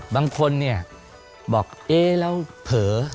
บางคนเนี่ยบอกเอ๊ะแล้วเผลอ